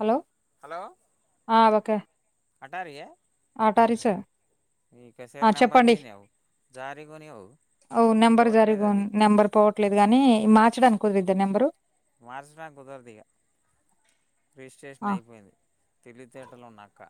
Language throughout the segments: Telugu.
హలో ఆ ఓకే అటారయ ఆటారిస ఆ కసేర్ నెంబర్ చెప్పండి దీనావు జారీ కొనివు ఓ నెంబర్ జరి పోవట్లేదు అది నెంబర్ పోవట్లేదు కాని మా అచ్చ అనుకుదద్ద నెబరు మార్చిన కుదరదిగా ఆ రిజిస్ట్రేషన్ అయిపోయింది తెలుగు థియేటర్ లో ఉన్నక్క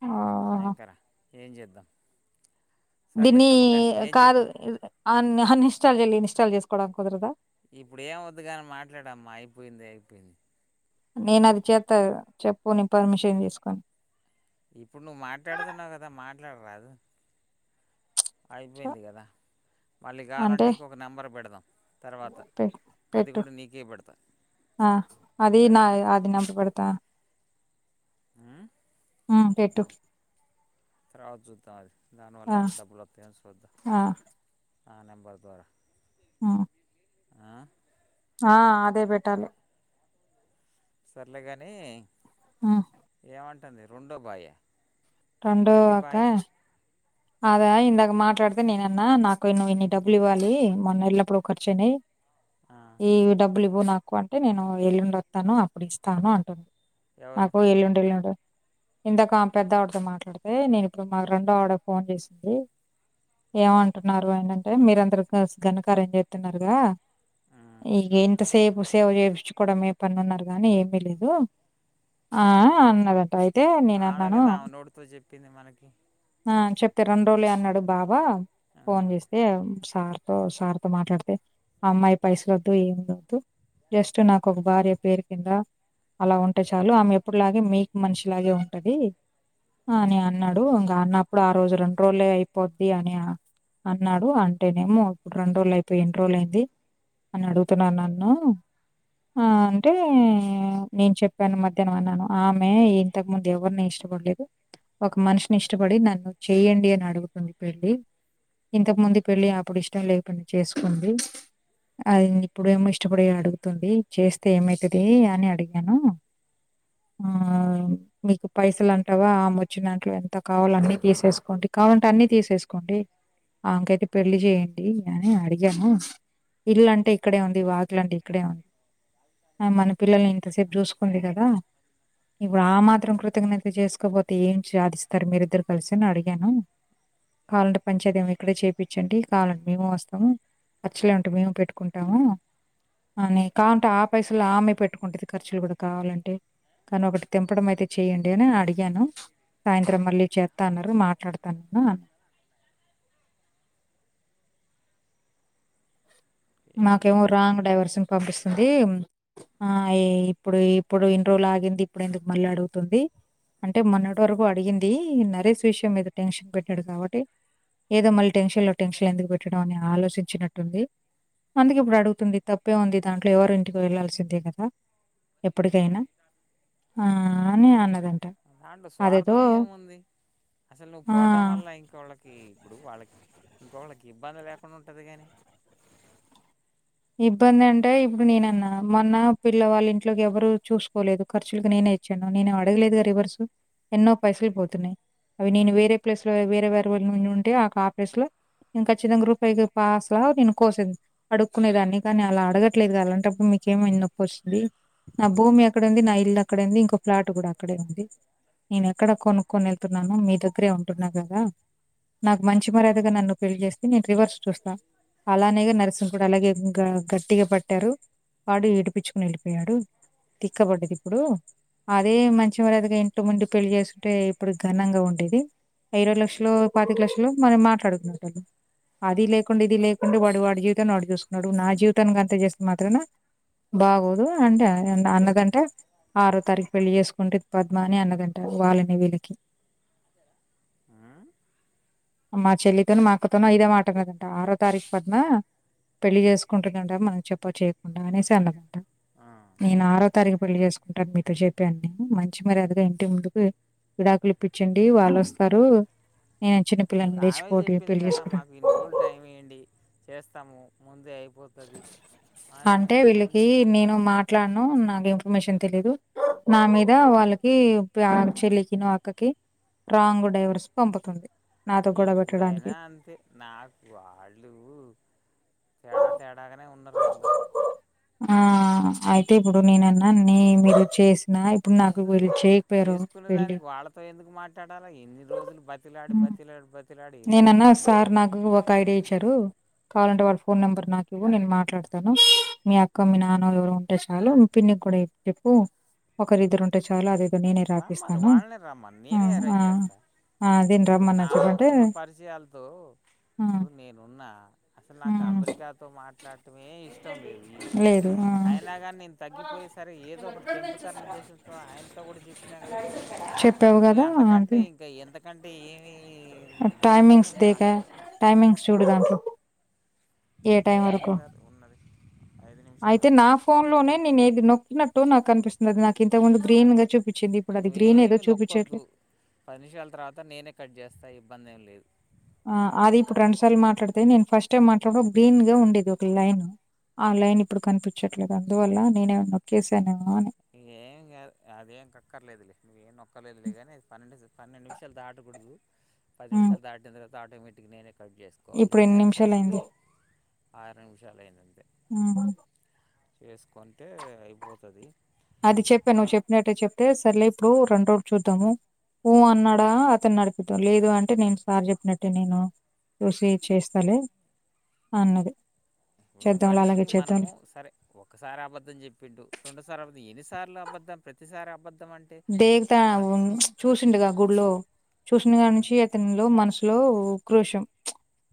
అ కాయా కారా ఏం చేద్దాం సర్లే దిన్ని అబక్క ఏం కాదు చెప్పు అ అన్ హన్ ఇన్స్టాల్ ఇన్స్టాల్ చేసుకోవడం కుదరదా ఇప్పుడు ఏము వద్దు గాని మాట్లాడమ్మా అయిపోయింది అయిపోయింది నేను అది చేస్తా చెప్పు నీ పర్మిషన్ తీసుకొని ఇప్పుడు నువ్వు మాట్లాడుతున్నావు కదా మాట్లాడరాదు చ అయిపోయింది కదా మళ్ళీ కావాలంటే అంటే ఇంకొక నెంబర్ పెడదాం తర్వాత పె అది పెట్టు కూడా నీకే పెడతా ఆ అది నా సరేనా అది నెంబర్ పెడతా ఉహు పెట్టు తర్వాత చూద్దాం అది దానివల్ల ఆ ఏమైన్నా డబ్బులు వస్తాయ చూద్దా ఆ ఆ నంబర్ ద్వారా ఉహు ఆ ఆ అదే పెట్టాలే సర్లేగాని ఆ ఏమంటుంది రెండో భాయ్య రెండో అక్క అదా ఇందాక మాట్లాడితే నేను అన్నా నాకు ఇన్ని డబ్బులు ఇవ్వాలి మొన్న ఇల్లు అప్పుడు ఖర్చుయినాయి ఆ ఈ డబ్బులు ఇవ్వు నాకు తక్కువ అంటే నేను ఎల్లుండి వస్తాను అప్పుడు ఇస్తాను అంటుంది ఎవరు నాకు ఎల్లుండి ఇల్లు ఇందాక ఆమె పెద్ద ఆవిడతో మాట్లాడితే నేను ఇప్పుడు మా రెండో ఆవిడ ఫోన్ చేసింది ఏమంటున్నారు అని అంటే మీరు అందరు కలిసి గనకార్యం చేతున్నారుగా ఉమ్ ఈగే ఇంత సేపు సేవ చేయించుకోవడం ఏ పని అన్నారు గానీ ఏమి లేదు ఆ అన్నదంట అయితే నేను ఆమె అన్నాను కదా ఆమె నోటితో చెప్పింది మనకి ఆ చెప్తే రెండు రోజులే అన్నాడు బావ ఫోన్ ఉమ్ చేస్తే సార్ తో సార్ తో మాట్లాడితే ఆ అమ్మాయి పైసలు వద్దు ఏమి వద్దు జస్ట్ నాకు ఒక భార్య పేరు కింద అలా ఉంటే చాలు ఆమె ఎప్పుడులాగే మీకు మనిషిలాగే ఉంటది అని అన్నాడు ఇంకా అన్న అప్పుడు ఆ రోజు రెండు రోజులే అయిపోద్ది అని అన్నాడు అంటేనేమో ఇప్పుడు రెండు రోజులు అయిపోయి ఎన్ని రోజులు అయింది అని అడుగుతున్నాడు నన్ను అంటే నేను చెప్పాను మధ్యాహ్నం అన్నాను ఆమె ఇంతకు ముందు ఎవరిని ఇష్టపడలేదు ఒక మనిషిని ఇష్టపడి నన్ను చెయ్యడి అని అడుగుతుంది పెళ్ళి ఇంతకు ముందు పెళ్ళి అప్పుడు ఇష్టం లేక చేసుకుంది అది ఇప్పుడ ఏమో ఇష్టపడి అడుగుతుంది చేస్తే ఏమవుతాది అని అడిగాను ఆ మీకు పైసలు అంటావా ఆమె వచ్చి నాకు ఎంత కావాలి అండి తీసేసుకోండి కావాలంటే అన్ని తీసేసుకోండి ఆమెకు అయితే పెళ్లి చేయండి అని అడిగాను ఇల్లు అంటే ఇక్కడే ఉంది వాకిల అంటే ఇక్కడే ఉంది మన పిల్లల్ని ఇంతసేపు చూసుకుంది కదా ఇప్పుడు ఆ మాత్రం కృతజ్ఞతే చేసుకోపోతే ఏం సాధిస్తారు మీరు ఇద్దరు కలిసినా అడిగాను కావాలంటే పంచాతీ ఏమో ఇక్కడే చేపించండి కావాలంటే మేము వస్తాము ఖర్చులు ఏమింటే మేము పెట్టుకుంటాము అని కావాలంటే ఆ పైసలు ఆమె పెట్టుకుంటుది ఖర్చులు కూడా కావాలంటే కానీ ఒకటి తెంపడం అయితే చెయ్యడి అని అడిగాను సాయంత్రం మళ్ళీ చే తనరు మాట్లాడతాను నేను అ ఏం నాకేమో చెప్తున్నా రాంగ్ డైవర్షన్ పంపిస్తుంది అంటే ఆ ఇప్పుడు ఇప్పుడు ఇన్ని రోజలు ఆగింది ఇప్పుడు ఎందుకు మళ్ళీ అడుగుతుంది అంటే మొన్నటి వరకు అడిగింది నరేష్ విషయం మీద టెన్షన్ పెట్టాడు కాబట్టి ఏదో మళ్ళీ టెన్షన్ లో టెన్షన్ ఎందుకు పెట్టడం అని ఆలోచించినట్టుంది అందుకు ఇప్పుడు అడుగుతుంది తప్పు ఏమో ఉంది దాంట్లో ఎవరు ఇంటికి వెళ్లాల్సిందే కదా ఉమ్ ఎప్పటికైనా ఆ అని అన్నదంట దాంట్లో అదేదో స్వార్థం ఏముంది అసలు నువ్వు పోటం ఆ! వల్ల ఇంకోవలికి ఇప్పుడు వాళ్ళకి ఇంకోళ్ళకి ఇబ్బంది లేకుండా ఉంటంది గానీ ఇబ్బంది అంటే ఇప్పుడు నేనన్నా మొన్న పిల్ల వాళ్ళ ఇంట్లోకి ఎవరూ చూసుకోలేదు ఖర్చులకు నేనే ఇచ్చాను నేను అడగలేదుగా రివర్సు ఎన్నో పైసలు పోతున్నాయి అవి నేను ఉమ్ వేరే ప్లేస్ లో వేరే వేరే వారు ఉనినుంటే ఆకు ఆ ప్లేస్ లో నేను ఖచ్చితంగా గ్రూప్ ఫైవ్ పాస్లా నేను కోసిం అడుగు క్కునేదాన్ని కానీ అలా అడగట్లేదుగా అలాంటప్పుడు మీకేమైనా నొప్పి వస్తుంది నా భూమి అక్కడ ఉంది నా ఇల్లు అక్కడ ఉంది ఇంకో ఫ్లాట్ కూడా అక్కడే ఉంది నేను ఎక్కడ కొనుక్కొని ఎళ్తున్నాను మీ దగ్గరే ఉంటున్నా కదా నాకు మంచి మర్యాదగా నన్ను పెళ్లి చేస్తే నేను రివర్స్ చూస్తా అలానేగా ఉమ్ నర్సున్ ఇప్పుడు అలాగే ఇంక గట్టిగా పట్టారు వాడూ విడిపిచ్చుకొని ఎళ్ళిపోయాడు తిక్కబడ్డది ఇప్పుడు అదే మంచి మర్యాదగా ఇంటి ముందు పెళ్లి చేసుకుంటే ఇప్పుడు ఘనంగా ఉండేది ఇరవై లక్షలు పాతిక లక్షలు మనం మాట్లాడుకున్నట్టు అదీ లేకుండా ఇదీ లేకుండా వాడు వాడు క్కను వాడు చూసుకున్నాడు నా జీవితానికి అంతే చేస్తే మాత్రన బాగోదు అంటే అన్నదంటే ఆరో తారీఖు పెళ్ళి చేసుకుంటే పద్మ అని అన్నదంట వాళ్ళని వీళ్ళకి ఉమ్ మా చెల్లితోని మా అక్కతోని ఇదే మాట అన్నదంట ఆరో తారీఖు పద్మ పెళ్ళి చేసుకుంటదంట మనకు చెప్పా చేయకుండా అనేసి అన్నదంట ఆ నేను ఆర తారీఖు పెళ్లి చేసుకుంటారు మీతో చెప్పి అన్ని మంచి మర్యాదగా ఇంటి ముందుకు విడాకులు ఇప్పిచ్చండి వాళ్ళొస్తారు నేను చిన పు ఆమే చెప్పింది కదా మాకు ఇన్ని రోజులు టైం ఇయ్యండి చేస్త్ తము ముందే అయిపోతది అని ముందే అం ఎట్లానో నాకు ఇన్ఫర్మేషన్ తెలీదు నా మీద వాళ్ళకి చెల్లికి ను అక్కకి రాంగ్ డైవర్స్ పంపుతుంది నాతో గొడవ పెట్టడానికి ఎవ్వుడైనా అంతే నాకు వాళ్ళు తేడా తేడా ఇలాగనే ఉన్నారు అందరు ఆ అయితే ఇప్పుడు నేనన్నాను న్ని మీరు చేసి అది అసలు చేసుకునే వెళ్ళి దానికి వాళ్ళతో ఎందుకు మాట్లాడాలా ఎన్ని రోజులు బతిమిలాడి బతిమిలాడి బతి నేనన్నా సార్ నాకు ఒక ఐడియా ఇచ్చారు కావాలంటే వాళ్ళ ఫోన్ నెంబర్ నాకు ఇవ్వు నేను మాట్లాడతాను మీ అక్క మీ నాన్న ఎవరు ఉంటే చాలు మీ పిన్నికి కూడా చెప్పు ఒకరి ఇద్దరు ఉంటే చాలు అది నేనే రమ్మను రాపిస్తాను వాళ్ళనే రమ్మను నేనే ఆ అరేంజ్ చేస్తా ఆ దీన్ని రమ్మన్నా చెప్పంటే విజయాలతో ఇప్పుడు నేనున్నా అసలు నాకు అమెరికాతో మాట్లాడటమే ఇష్టం లేదు ఈ విషయంలో లేదు అయినా కాని నేను తగ్గిపోయి సరే ఏదో ఒకటి తెంపుతారనే ఉద్దేశంతో ఆయనతో కూడా చెప్పి కదా చెప్పావు ఏ కదా అంతకంటే అది ఇంకా ఎంత అంటే ఏమి దేనికోసం టైమింగ్స్ దాక దేగా టైమింగ్స్ చూడు దాంట్లో ఏ టైం ఏం వరకు కాదు ఉన్నది ఐదు నిమిషాలే అయితే నా ఫోన్ లోనే నేను ఏది నొక్కినట్టు నట్టు నాకు అనిపిస్తుంది నాకు ఇంతకు ముందు గ్రీన్ గా చూపించింది. ఇప్పుడు అది గ్రీన్ ఏదో నువ్వేమి చూపించట్లే. నొక్కొద్దు పది నిమిషాల తర్వాత నేనే కట్ చేస్తా ఇది ఇబ్బంది ఏం లేదు ఆ అది ఇప్పుడు రెండు సార్లు మాట్లాడితే నేను ఫస్ట్ టైం మాట్లాడ గ్రీన్ గా ఉండేది ఒక లైన్ ఆ లైన్ ఇప్పుడు కనిపించట్లేదు అందువల్ల నేనుమన్నా నొక్కేసానేమో అని ఏం కాదు అదేం కక్కర్లేదు లే ఏం నొ నొక్క లేదులే గాని పనుంటే చెప్పు పన్నెండు నిమిషాలు దాటకూడదు పది హ్మ్. నిమిషాలు దాటిన తర్వాత ఆటోమేటిక్ నేనే కట్ చేసుకోవాలి ఇప్పుడు ఎన్ని అది సబ్మిట్ నిమిషాలయింది. ఆర నిమిషాల అయిందండీ ఉ ఉమ్ చేసుకుంటే అయిపోతది అది చెప్పా నువ్వు చెప్పినట్టే చెప్తే సరలే ఇప్పుడు రెండు రోడ్డు చూద్దాము ఊ అన్నాడా అతన్ని నడిపిద్దాం లేదు అంటే నేను సార్ చెప్పినట్టే నేను చూసి చేస్తాలే అన్నది ఇప్పుడు చేద్దాంలే మనిషి అలాగే చేద్దాంలే. మనము సరే ఒకసారి అబద్ధం చెప్పిండు రెండోసారి అబద్ం ఎన్ని సార్లు అబద్దం ప్రతిసారి అబద్దం దేక్తా చూసిండగా గుడిలో చూశింకాడ్ నుంచి అతనిలో మనసు లో ఉక్రోషం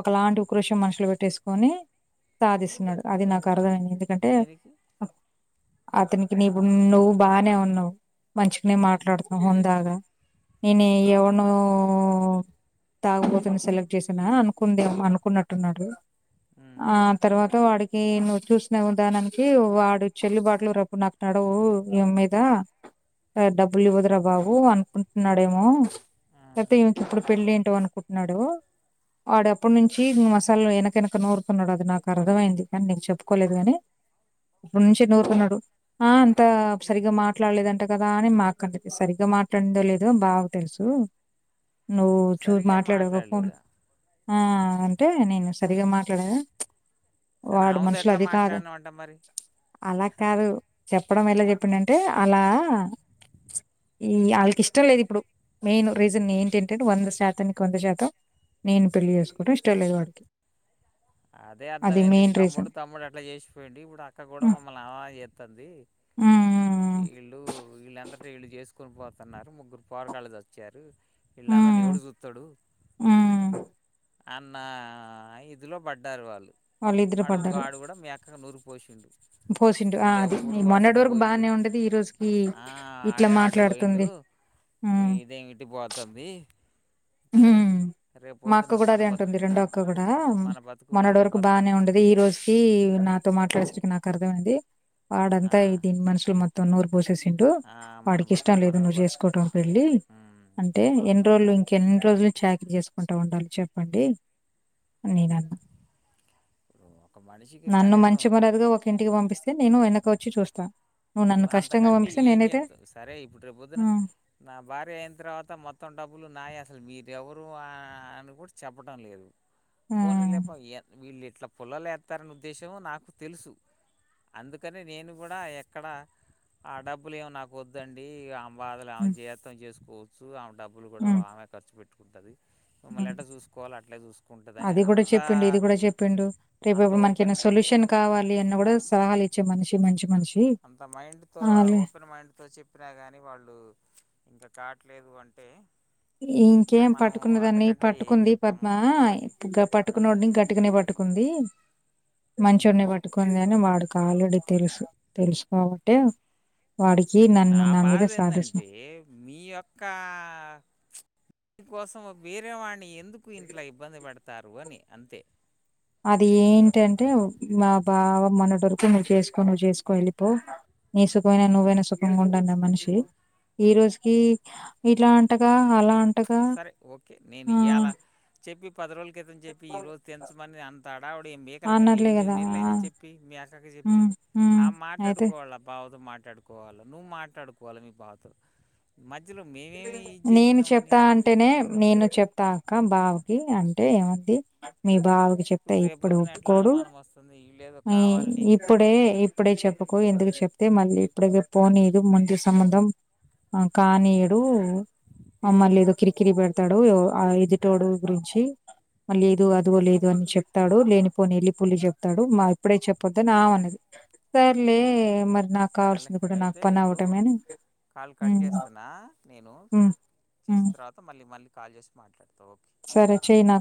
ఒకలాంటి ఉక్రోషం మనుషులు పెట్టేసుకొని సాగదీస్తున్నాడు అది నాక క అర్థమైంది ఎందుకంటే దేనికి అతనికి నీవు నువ్వు బానే ఉనవ్ మంచిగానే మాట్లాడుతా హందాగా నేను ఎవనో తగుబోతుని సెలెక్ట్ చేసానా అనుకుందే అనుకుంటున్నాడు ఉమ్, ఆ తర్వా త వాడికి నువ్వు చూసిన విధానికి వాడు చెల్లిబాటలు రప్పు నాకు నడవు ఏ మీద డబ్బులు ఇవ్వదురా బాబు అనుకుంటున్నాడేమో ఆ, లేకపోతే ఇంక ఇప్పుడు పెళ్లి ఏంటో అనుకుంటున్నాడో ఆడ అప్పడునుంచి ఇ అసల వెనక వెనక నూరుతునాడు అది నాకు అర్థమైంది కానీ నేను చెప్పుకోలేదు గానీ రెండశిక్ నూరుతునాడు ఆ అంతా సరిగా మాట్లాడలేదు అంట కదా అని మొకం తిప్స్ సరిగ్గా మాట్లాడిందో లేదో బాగా తెలుసు నువ్వు చూ సరిగా మాట్లాడావుగా ఫోన్ మాట్లాడలేదా ఆ అంటే నేను సరిగా మాట్లాడేలే సర ఆముతో ఎట్లా మాట్లాడినావ్ అంటా మరి అలా కాదు చెప్పడం ఎలా చెప్పిండ అంటే అలా ఆ ఈ వాళ్ళకి ఇష్టం లేదు ఇప్పుడు మెయిన్ రీజన్ ఏంటంటే వంద శాతానికి వంద శాతం నేను పెళ్లి చేసుకోవటం ఇష్టం లేదు వాడికి. అదే అది అర్థమైంది మెయిన్ తమ్ముడు రీజన్ తమ్ముడు అట్లా చేసిపోయింది ఇప్పుడు అక్క కూడా హ్మ్ మమ్మల్ని అలానే చేత్తంది హ్మ్ వీళ్ళు వీళ్ళంతట వీళ్ళు చేసుకుని పోతున్నారు ముగ్గురు పోరగాళ్ళు వచ్చారు హ్మ్ వీళ్ళందరిని ఎవడు చూత్తాడు హ్మ్ అన్నా ఇద ఇందులో పడ్డారు వాళ్ళు వాళ్ళిద్దరు ఆడుగో పడ్డారు ఆడు కూడా మీ అక్కకు నూరి పోసిండు. పోసిండు ఆ వీళ్ళు అది ఎవ్వడు ఈ వాడు మొన్నటి అటు వరకు పోయిండు బాగానే ఉండది ఈ రోజుకి ఆ ఇట్లా ఆడే అటు పోయిండు మాట్లాడుతుంది ఉమ్. ఇదేమి ఇటు పోతుంది ఆ ఉమ్ రేపు మా అక్క పొద్దున కూడా మన అదే అంటుంది బతుకు రెండో అక్క కూడా మన బతుకు మొన్నటి మనమే వరకు బాగానే బతకాలి ఉండది ఈ రోజుకిి నాతో మాట్లాడు నాక అర్థమైంది వాడ ఆ అంతా ఇది మనషులు మొత తొన్నూర్ పోసేసింటూ ఆ మన వాడికి ఇష్టం బతుకు లేదు మనమే నువ్వు బతకాలి చేసుకోవటం పెళ్ళి అంటే ఎం ట్రోలింగ్ ఎన్ని రోజులు చాకిరి చేసుకుంటూ ఉండాలి చెప్పండి. నేన అన్నా ఇప్పుడు ఒక మనిషికి నన్ను కనీసం మంచి మర్యాదగా ఒక ఇంటికి పంపిస్తే అయితే నేను వెనక వచ్చి చూస్తా నువ్వు ఇప్పుడు నన్ను కష్టంగా అంతకంటే పంపిస్తే ఏం నేనైతే చేస్తావు సరే ఇప్పుడు రేపు పొద్దున "ఉమ్, నా భార్య అయిన తర్వాత మొత్తం డబ్బులు నా వేస్త అసలు మీరెవరు అని కూడా చెప్పడం లేదు ఉమ్, పోనిలేపా ఏంది వీళ్ళేంది అట్లా పుల్లలు ఏస్తారని ఉద్దేశం నాకు తెలుసు అందుకని నేను కూడా అక్కడ ఆ డబ్బులు ఏమి నాకు వద్దండి ఆమ్ సవాలా ఉమ్, చెత్తావేం చేసు పోచు అ డబ్బులు కూడా ఉమ్, ఆమెనే ఖర్చు పెట్టు కొత్తది అని అది కూడా అంత చెప్పిండు ఇది కూడా చెప్పిండు రేపు అంత ఇప్పుడు ఓపెన్ మనకేమన్న సొల్యూషన్ కావాలి అన్న కూడా సలహాలు ఇచ్చే మనిషి మంచి మనిషి అంత మైండ్ తో ఆలే ఓపెన్ మైండ్ తో చెప్పినా గాని వాళ్ళు ఇంకా కాట్లేదు అంటే ఇంకేం మనము పట్టుకున్నదాన్ని అంతకంటే ఏం పట్టుకుంది చెప్తాము పద్మ వాళ్ళకి పట్టుకునే వాడిని గట్టుగానే పట్టుకుంది మంచోడిని పట్టుకుంది అని వాడుకి ఆల్రెడీ తెలుసు తెలుసుకోబట్ే నా బాధ ఏంటంటే మీ యొక్క దీనికోసం వేరేవాణి ఎ ఎందుకు ఇంట్ల ఇబ్బంది పడతారు అని అంతే అది ఏంటంటే మా బావ మొన్నటి వరకు నువ్వు చేసుకో నువ్వు చేసుకో వెళ్ళిపో నీ సుఖమైనా నువ్వైనా సుఖంగా ఉండు ఉండన్నా మనిషి ఇప్పుడు ఈ రోజు ఈ ఇట్లా అంటగా అలా అంటగా సరే ఓకే నేను ఆ ఇయలా చెప్పి పది రోజుల క్రితం చెప్పి ఈరోజు తెంచమని అంత ఆడావుడి ఏ మేకల మీద అన్నర్లే ఎనిమిది కదా నెలలు ఆ అయింది చెప్పి మీ అక్కకి చెప్పి హ్మ్ ఆ హ్మ్ అయితే మాట్లాడుకో వాళ్ళ బావతో మాట మాట్లాడుకోవాలి నువ్వు మాట్లాడుకోవాల మీ బావతో మధ్యలో మధ్యలో మేమేమి ఇజ్ నేను చేసినామని చెప్తా అంటేనే నేను చెప్తా అక్క బావకి అంటే ఏమంది మీ బావకి చెప్తే ఇప్పుడు రేపొద్దున ఎట్లా ఒప్పుకోడు అనుమానం వస్తుంది వీళ్ళేదో ఈ కావాలని ఇప్పుడే ఇప్పుడే చెప్పుకో ఎందుకు చెప్పు చెప్తే మళ్ళీ ఇప్పుడే చెప్పు నీది ముంచు సంబంధం కానీ కానీయడు మళ్ళీ ఏదో కిరికిరి పెడతాడు ఆ ఎదుటోడు గురించి మళ్ళీ ఏదో అదో లేదు అని చెప్తాడు లేనిపోని ఎల్లి పోల్లి చెప్తాడు మా ఇప్పుడే చెప్పోదు అని ఆమె అన్నది సర్లే మరి నాకు సరేలే కావాల్సింది కూడా నాకు అయితే పని ఇప్పుడు అవ్వటమే కాల్ కట్ హ్మ్ చేస్తున్నా నేను హ్మ్ హ్మ్ చేసిన్ తర్వాత మళ్ళీ మళ్ళీ కాల్ చేసి మాట్లాడత సరే చెయ్ నాక్